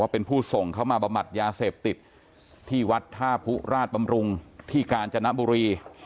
เป็นผู้ส่งเข้ามาบำบัดยาเสพติดที่วัดท่าผู้ราชบำรุงที่กาญจนบุรี